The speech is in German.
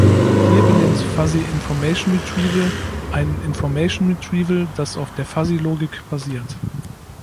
Hier benennt Fuzzy-Information-Retrieval ein Information Retrieval, das auf der Fuzzy-Logik basiert.